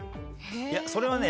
それはね